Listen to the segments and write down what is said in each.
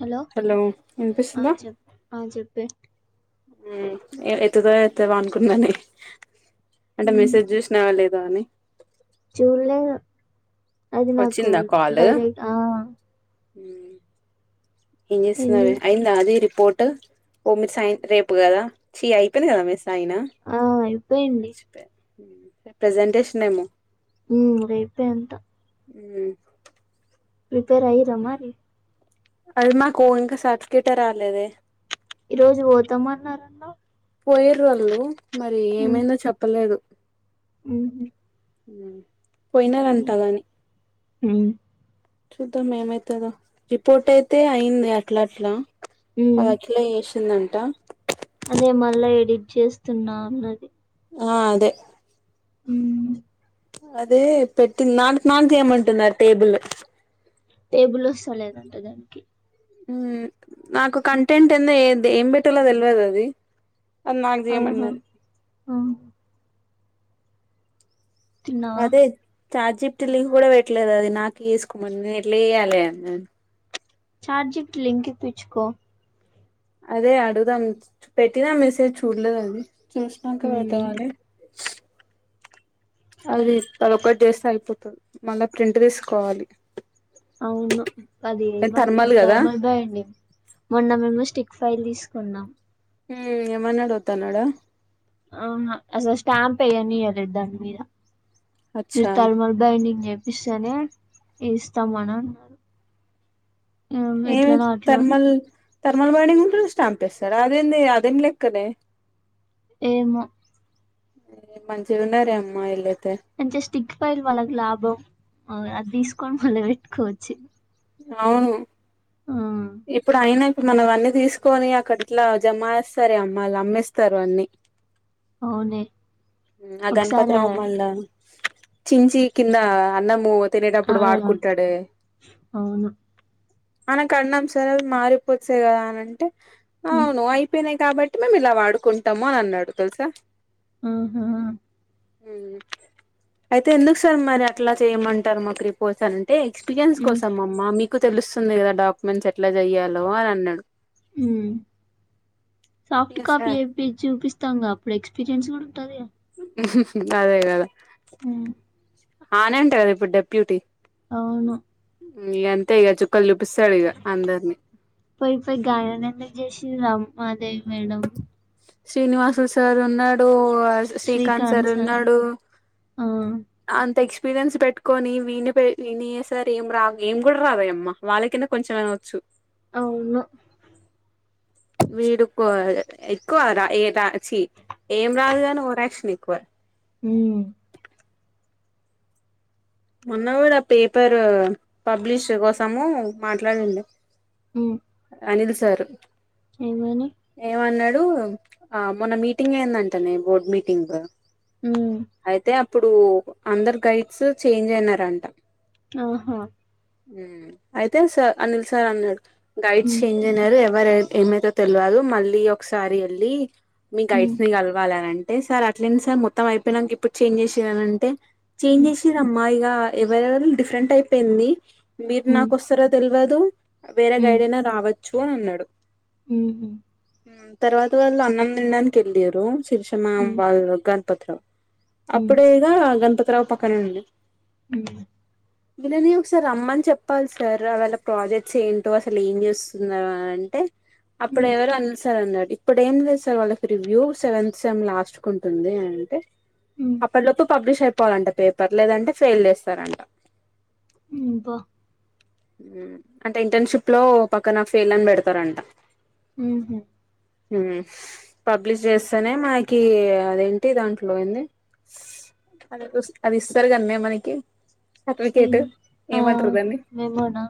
Hello ఆ చెప్పు ఆ చెప్పే మ్ ఎ ఎత్తుతావో ఎత్తవా అనుకున్నానే అంటే ఉమ్, మెసేజ్ చూసినావా లే గాని చూడలేదు అది నాకు వచ్చిందా డైరక్ట్ ఆ ఎం ఏంది జేస్తున్నావే అయిన్ అది రిపోర్ట్ ఓ మీరు సైన్ రేపు కదా చి అయిపోయింది కదా మి సైన్ ఆ అయిపోయింది చ్చి ప్రెసెంటేషన్ ఏమో ఉ రేపె అంట ఉ ప్రిపేర్ అయిర్రా మరి అది మాకు ఇంకా సర్ఫికేటే రాలేదె ఈ రోజు పోతామ అన్నారన్నవ్ పోయరు వాళ్ళు మరి ఏమైందో చెప్పలేదు ఉ పోయినారంటా గాని హ చూద్దాం ఏమైతదో రిపోర్ట్ అయితే అయింది అట్లా అట్లా అ ఉమ్ ఆట్లా ఎసిందంట అదే మళ్ళా ఎడిట్ చేస్తున్నా అన్నది ఆ అదే ఉ అదే పెట్టింది నా నాన్ చేయమంటున్నారు టేబుల్ కేబుల్ వస్తా లేదంట దానికి నాకు కంటెంట్ ఎంద ఏ ఏం పెట్టలో తెల్వద్ అది అద్నాక్ ఆహా చేయమనది ఆ తిన్నావా అదే చార్జిప్టిల్కి కూడా పెట్టలేదు అది నాకు వేసుకోమని నేను ఎట్లా చేయ్యాలి అన్నాను ఛార్జిట్ లింకిపిచుకో అదే అడుగుదాం పెట్టినా మెసేజ్ చూడ్లేదు అది చూస్నాక ఉమ్ పెడ్దామని అది అదొకటి చేస్తా అయిపోతుంది మళ్ళా ప్రింట్ తీసుకోవాలి అవును అది ఏమంటారు థర్మల్ బండింగ్ మొన్న మేము స్టిక్ ఫైల్ తీసుకున్నాం హ్మ్ ఏమనాడు వోదాన్నాడా ఆ అసలు స్టాంప్ ఏయ్నియలే ధన్మిదా అచ్చా [unintelligible] బైండింగ్ చేపిస్తేనే ఇస్తాం మానానడు ఏమై అట్లా థర్మల్ థర్మల్ బైండింగ్ కుడా స్టాంప్ ఎస్తాడా అదేంది అదేం లెక్కనే ఎమో ఎ మంచిగుణారెమా ఇలైతే అంటే స్టిక్ ఫీల్ వాళ్ళకి లాభం అది తీస్కొని మళ్ళీ పెట్టుకోచ్చు అవును ఆ ఇప్పుడు అయినా ఇప్పుడు మనం అన్నీ తీస్కొని అక్కట్లా జమ ఎస్తారే అమ్మళ్ళు అమ్మేస్తారు అన్ని ఆవ్వునే ఆ గణపతి రావు మళ్ళ చిించి కింద అన్నమూ ఆ, తినేటప్పుడు వాడ్కుంటాడే అవును అనకణం సార్ మారిపోచ్చాయి కదా అనంటే ఉమ్, ఆవ్వును ఐపేనై కాబట్టి మేము ఇలా వాడుకుంటాము అని అన్నాడు తెల్సా ఆహా అయితే ఎందుకు సార్ మరి అట్లా చేయమంటారు మా క్రిప్ ఓసాంతే ఎక్స్పీరియన్స్ ఉమ్, కోసంమమ్మ మీకు తెలుస్తుంది కదా డాక్యుమెంట్స్ ఎట్లా చెయ్యాలో అని అన్నాడు హ్మ్ సాఫ్ట్ కాపీ మీక్ చూపిస్తాంగా అప్పుడు ఎక్స్పీరియన్స్ కూడా ఉంటాదిగా అదే కదా హ్మ్. ఆనంద్ కదా ఇప్పుడు డెప్యూటీ అవును ఇగ అంతే ఇగ చుక్కలు చూపిస్తాడు ఇగ అందర్ని పోయిపోయి గాయన్నీ ఎందుకు చేసింది రామాదేవి మేడం శ్రీనివాసులు సార్ ఉన్నాడు శ్రీకాంత్ సార్ ఉన్నాడు ఆ! అంత ఎక్స్పీరియన్స్ పెట్టుకొని విని పే విన్నీ చేసార్ ఏం రా ఏం కూడా రాదేయమ్మా వాళ్ళ కింద కొంచెంమైన వచ్చు అవును వీడుకు ఎక్కువ రా ఏ రా చీ ఏం రాదు కాని ఓరాక్షన్ ఎక్కువ ఉ మొన్న కూడా ఆ పేపర్ పబ్లిష్ కోసము మాట్లాడిండు అనిల్ సార్ ఏమీ అయినయ్ ఏమన్నాడు ఆ మొన్న మీటింగ్ ఏందంటనే బోర్డు మీటింగ్ హ్మ్. అయితే అప్పుడు అందరు గైడ్స్ చేంజ్ అయినారంట ఆహా ఉ అయితే స అనిల్ సార్ అన్నాడు గైడ్ హ్మ్. చేంజ్ నేను అదే ఎవర ఏమైతదో తెల్వదు మళ్ళీ ఒకసారి వెళ్ళి మీ హ్మ్. గైడ్స్ ని కలవాల అంటే సార్ అట్లేంటి సార్ మొత్తం అయిపోయినంక ఇప్పుడు చేంజ్ చేసిర్రు అని అంటే హ్మ్. చేంజెస్ ఇల ఎవరు ఎవరిని డిఫరెంట్ అయిపోయింది మీరు హ్మ్. నాకు వస్తారో తెల్వదు వేరే గైడ్ అయినా రావచ్చు అని అన్నాడు ఉహు ఉ తర్వాత వాళ్ళు అన్నం తిండానికి వెళ్ళిరు శిర్షమా హ్మ్. వాళ్ళ గట్ల హ్మ్. అప్పుడే గా గణపతి రావు పక్కనే ఉంది ఉ వీళ్ళని ఒకసారి రమ్మని చెప్పాలి సార్ వాళ్ళ ప్రాజెక్ట్స్ ఏంటో అసలు ఏం చేస్తున్నారు అంటే అప్పుడు హ్మ్. హ్మ్. ఎవరు అన్నారు సార్ అన్నాడు ఇప్పుడు ఏం లేదు సార్ వాళ్ళకి రివ్యూ సెవెంత్ సెమ్ లాస్ట్ కు ఉంటుంది అంటే హ్మ్. అప్పటిలోపు పబ్లిష్ అయిపోవాలంట పేపర్ లేదంటే ఫెయిల్ చేస్తారంట ఉ బా ఉ అంటే ఇంటర్న్షిప్ లో ఓ పక్కనా ఫెయిల్ అని పెడతారంట ఉహు ఊ పబ్లిష్ చేస్తేనే మనకి అదేంటి దాంట్లో ఏందీ అది ఉస్ అది ఇస్తారు కన్నే మనకి సర్టిఫికేట్ ఏమంటారు దాన్ని మేము నా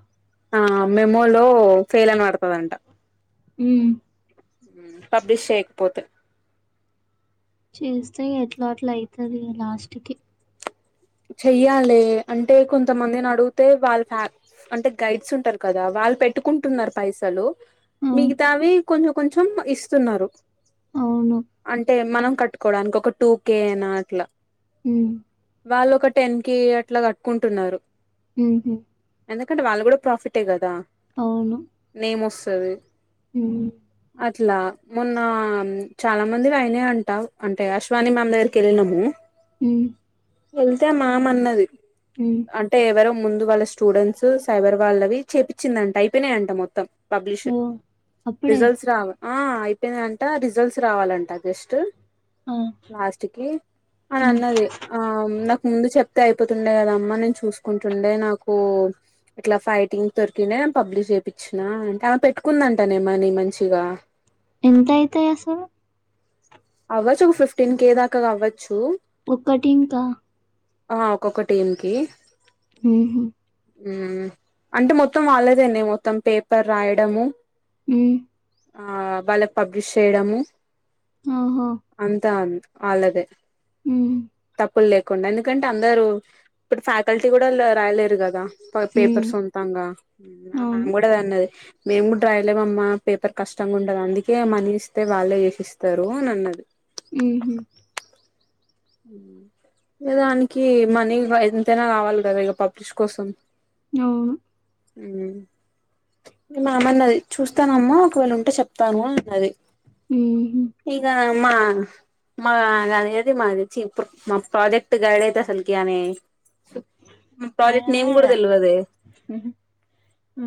ఆ మేమూ లో ఫెయిల్ అని పడతదంట ఊ ఉ పబ్లిష్ చేయకపోతే చేస్తే ఎట్లో అట్ల అయితది లాస్ట్ కి చెయ్యాలే అంటే కొంతమందిని అడిగుతే వాళ్ళ ఫ్యా అంటే గైడ్స్ ఉంటరు కదా వాళ్ళు పెట్టుకుంటున్నారు పైసలు ఆ! మిగతావి కొంచెం కొంచెం ఇస్తున్నారు అవును అంటే మనం కట్టుకోవడానికి ఒక టూ కే నా అట్ల ఊ వాళ్ళోక టెన్ కే అట్ల కట్టుకుంటున్నారు. ఉహు ఎందుకంటే వాళ్ళు కూడ ప్రాఫిటే కదా అవును. నేమ్ వస్తది. హ్మ్. అట్లా మొన్న ఆ చాల మందివి అయినయి అంట, అంటే అశ్వాని మ్యామ్ దగ్గరికి ఎళ్ళినము. ఊ వెళ్తే మ్యామ్ అన్నది. ఉ అంటే ఎవరో ముందు వాళ్ళ స్టూడెంట్స్ సైబర్ వాళ్ళవి చేపించిందంట అయిపోయినాయంట మొత్తం. పబ్లిష్ ఓహ్! అప్పుడే. రిజల్ట్స్ రావ ఆ అయిపోయిందంట రిజల్ట్స్ రావాలంట జస్ట్. ఆ! లాస్ట్ కి అని హ్మ్. అన్నది. ఆ నాకు ముందు చెప్ తే అయిపోతుండే కదమ్మా, నేను చూసుకుంటుండే నాకు ఇట్లా ఫైటింగ్ దొరికినే పబ్లిష్ చేపిచ్చిన టే ఆమె పెట్టుకుందంటనే మని మంచిగా ఎంతయితయి అసలు అవ్వచ్చు ఒ ఫిఫ్టీన్ కే దాక అవ్వచ్చు. ఒక్కటి ఇంకా ఆ ఒకొక టీం కి ఉహు ఊ అంటే మొత్తం వాళ్ళదేనే మొత్తం పేపర్ రాయడము. ఉ ఆ వాళ్ళ పబ్లిష్ చేయడము. అహో అంతా ఆళ్ళదే ఊ తప్పుల్ లేకుండ, ఎందుకంటే అందరూ ఇప్పుడు ఫ్యాకల్టీ కూడ లు రాయలేరు గదా. ప హ్మ్. పేపర్స్ సొంతంగా ఆ అవును. మ్యామ్ కు డద అన్నది మేం కూడ్ డ్రాయలేమమ్మా, పేపర్ కష్టంగ ఉండది అందుకే మనీ ఇస్తే వాళ్ళే చేసిస్తర్. రూ అన్ అన్నది. ఉహు ఉ ఏ దానికి మనీ వ ఎంతైనా కావాలి గదా ఇగ పబ్లిష్ కోసం. అవును ఉ ఇగ మ్యామ్ అన్నది, చూస్తానమ్మా ఒకవేళ ఉంటే చెప్తాను అన్ అన్నది. ఉహు ఇగా మా మా గది అది మాది చిపుర్ మా ప్రాజెక్ట్ గైడ్ అయితే అసల్కి ఆనే మా ప్రాజెక్ట్ నేమ్ గూడ తెల్వదే ఉహు ఆ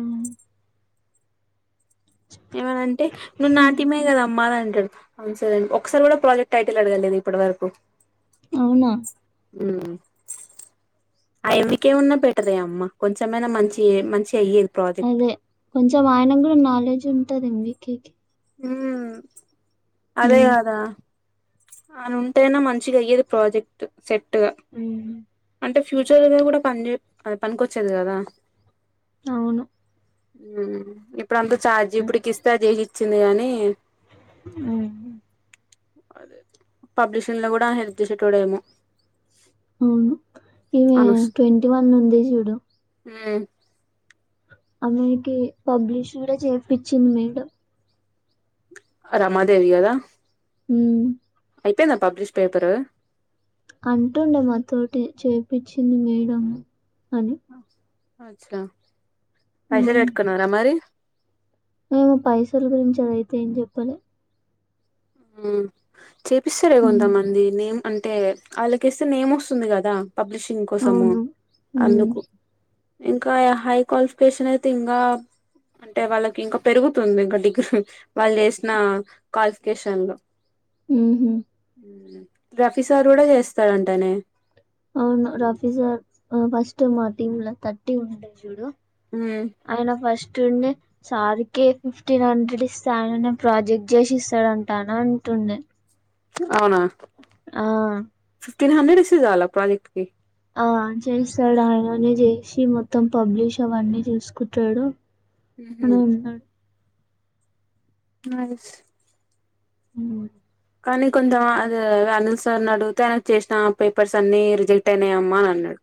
ఏమనంటే ను నా టీమ్ ఏ ఏ కదమ్మా అన్ అంటడు. అవును సార్. ఒక్కసారి కూడ ప్రాజెక్ట్ టైటిల్ అడగలేదు ఇప్పటి వరకు. అవునా ఉ ఆయమ్మికి ఏమన్న పెట్టదే అమ్మ, కొంచెమైనా మంచి ఎ మంచి చెయ్య అదే కొంచెం ఆయన కూడా నాలెడ్జ్ ఉంటది మీకే ఊ అదే హ్మ్. కదా ఆయన ఉంటానె మంచిగా అయ్యేది ప్రాజెక్ట్ సెట్ గా ఊ అంటే ఫ్యూచర్ గా కూడా పనిజే ఆ పనికొచ్చేది కదా అవును ఊ ఇప్పుడు అంతా చార్జిపిటికి ఇస్తే అది ఇచ్చింది గాని ఊ అదే పబ్లిషన్ లో కూడా హెల్ప్ చేసేటోడెమో ఊ ఈమె ట్వంటీ వన్ ఉంది చూడు ఊ అందుకే పబ్లిష్ కూడా చేపించింది మేడం రమాదేవి కదా ఊ అయిపోయిందా పబ్లిష్ పేపరు అంటుండే మాతోటి చేపించింది మేడం అని అ అచ్చ ప్రెషర్ పెట్కున్నార మరి ఏమో పైసల గురించి అడిగితే ఏం చెప్పలే ఆ చేపిస్తారే హ్మ్. కొంతమంది నేమ్ అంటే వాళ్ళకేస్తే నేమ్ వస్తుంది కదా పబ్లిషింగ్ కోసమూ అవును. హ్మ్. అందుకు ఇంకా హై క్వాలిఫికేషన్ అయితే ఇంకా అంటే వాళ్ళకి ఇంకా పెరుగుతుంది ఇంకా డిగ్రీ వాళ్ళు చేసిన కాలిఫ్ కేశన్లో ఉహు ఊ రఫీ సార్ కూడా చేస్తాడంటనే అవును రఫీసర్ ఫస్ట్ మా టీమ్ లో థర్టీ ఉంటయి చూడు ఊ ఆయన ఫస్టుండే సార్కి ఫిఫ్టీన్ హండ్రెడ్ ఇస్తే ఆయననే ప్రాజెక్ట్ చేసి ఇస్తాడంటాన అంటుండే అవునా ఆ ఫిఫ్టీన్ హండ్రెడ్ ఇస్తే చాలా ప్రాజెక్ట్ కి ఆ చేస్తాడు ఆయననే చేసి మొత్తం పబ్లిష్ అవన్నీ చూసుకుంటాడు ఊహు నైస్ ఊ కానీ కొంచెం అది అనిల్ సార్ అని అడిగితే ఆయనకు చేసిన పేపర్స్ అన్ని రిజెక్ట్ అయినాయ అమ్మా అని అన్నాడు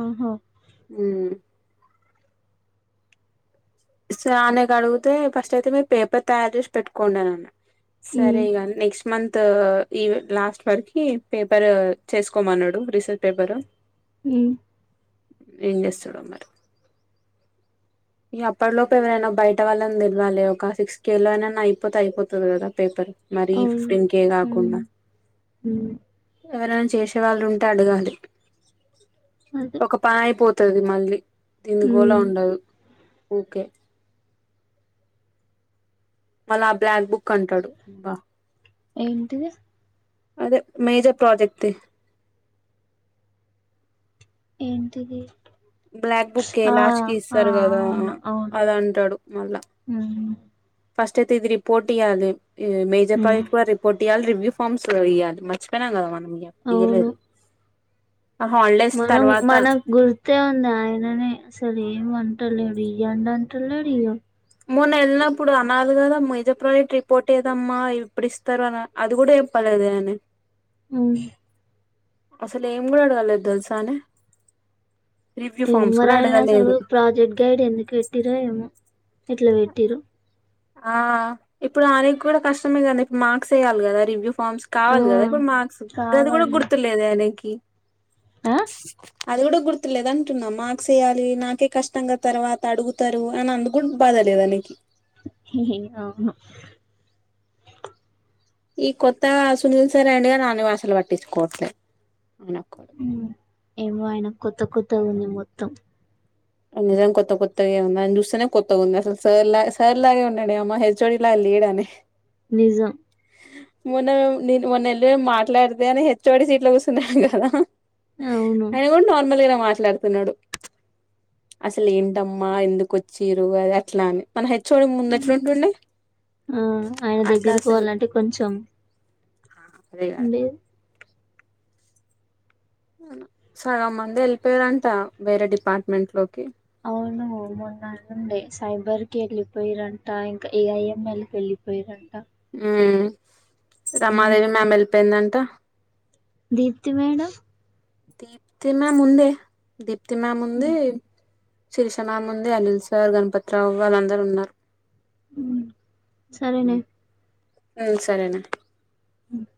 ఓహో ఊ స ఆనేకి అడుగితే ఫస్ట్ అయితే మీరు పేపర్ తయారు చేసి పెట్టుకొండి అని అన్న సరే హ్మ్. ఇగ అన్ నెక్స్ట్ మంత్ ఈ లాస్ట్ వరకి పేపర్ చేసుకోమన్నాడు రీసెల్ట్ పేపరు ఊ ఏం చేస్తాడో మరి ఈ అప్పటి లోపు ఎవరైనా బయట వాళ్ళని తెిలవాలి ఒక సిక్స్త్ కే లో అనా అయిపోతే అయిపోతది కదా పేపర్. మరి అవును. ఫిఫ్టీన్ కే హ్మ్. కాకుండా. హ్మ్. ఎవరైనా చేసే వాళ్ళు ఉంటే అడగాలి అది. ఒక పానైపోత్. స్తది మళ్ళీ తిన్ గోలా హ్మ్. ఉండదు ఊకే. మళ్ళా ఆ బ్లాక్ బుక్ అంటాడు బా. ఏంటిది. అదే మేజర్ ప్రాజెక్ట్ ది. ఏంటిది. బ్లాక్ బుక్కె ఆ! లాస్ట్ కి ఆ! ఇస్తారు కదా అవును. అవును. అద అంటాడు మళ్ళా. హ్మ్. ఫస్ట్ అయితే ఇది రిపోర్ట్ ఇయాలి మేజర్ హ్మ్. ప్రాజెక్ట్ వరి. పోట్యాలి రివ్యూ ఫార్మ్స్ ఇయ్యాలి మర్చిపోయినాం కదా మనం అవును. ఇయ్యలేదు. ఆ హాలిడేస్ మనం తర్వాత. మనకు గుర్తే ఉంది ఆయననే అసలు ఏం అంటా లేడు ఇయ్యండి అంట లేడు ఇయ్యద్. మొన్న నెళ్ళినప్పుడు అనాలి కదా మేజర్ ప్రాజెక్ట్ రిపోర్ట్ ఏదమ్మా ఇప్పుడిస్. తర్వా అది కూడా చెప్ప లేదే అని. ఊ. అస్సలు ఏం కూడా అడగలేదు తెలుసానే. రివ్యూ ఏ ఫార్మ్స్ మ కూడా రాయనా సార్ అడగలేదు ప్రాజెక్ట్ గైడ్ ఎందుకు పెట్టిరో ఏమో ఇట్లా పెట్టిరు. ఆ ఇప్పుడు ఆయనకి కూడా కష్టమే కదా ఇప్పుడు మార్క్స్ వేయాలి కదా రివ్యూ ఫార్మ్స్. ఆ! కావాలి కదా ఇప్పుడు మార్క్స్ గది కూడా కావాలి. గుర్తులేదు ఆయనకి. ఆ. అది కూడా గుర్తులేదా అంటున్నాం మాక్స్ వేయాలి నాకే కష్టంగా తర్వాత అడుగు. తరువు అని అందుకు బాధ లేదా నీకి. అవును. ఈ కొత్తగా సునీల్ సార్ అయన ఆనివాసలు పట్టించుకోవట్లేదు. ఊమ్ ఏమో అయన కొత్త కొత్త ఉంది మొత్తం. నిజం కొత్త కొత్తగా ఉంది అని చూస్తేనే కొత్తగా ఉంది అసలు సార్ లా సార్ లాగే ఉండడు అమ్మ హెచ్ఓడిలా లేడని. నిజం. మొన్న మే నేను మొన్నెళ్ళ మాట్లాడితే అని హెచ్చవోడి సీట్లు కూర్చున్నాను కదా. అవును. ఆయన కూడా నార్మల్ గా మాట్లాడుతున్నాడు. అస్సలు ఏంటమ్మా ఎందుకు వచ్చిరు అది అట్లా అని. మన హెచ్చువోడి ముందు ఎట్లాంటుండంది అట్లా అసలు. కొంచం. ఉహు. అండి. సగం మంది వెళ్ళిపోయారంట వేరే డిపార్ట్మెంట్ లోకి. అవును మూన్నళ్ండే సైబర్ కి వెళ్ళిపోయిరంట ఇంకా ఏఐఎంఎల్ కెళ్లి. వేరంట. ఉమ్ రమాదేవి మ్యమ్ వెళ్ళిపోయిందంట. దీప్తి మేడం. దీప్తి మ్యామ్ ఉందే దీప్తి మ్యామ్ ఉంది. హ్మ్. సిరిష మ్యముంది అనిల్ సార్ గణపతి రావు వాళ్ళందరూ ఉన్నారు. హ్మ్. సరేనే ఊమ్ సరేనా. ఊమ్.